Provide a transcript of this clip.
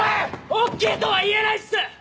ＯＫとは言えないっす！